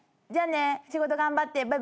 じゃあね仕事頑張って。